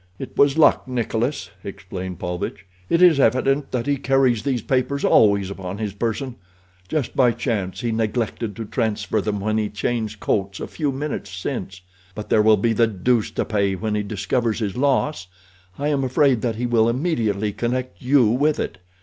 "It was luck, Nikolas," explained Paulvitch. "It is evident that he carries these papers always upon his person—just by chance he neglected to transfer them when he changed coats a few minutes since. But there will be the deuce to pay when he discovers his loss. I am afraid that he will immediately connect you with it.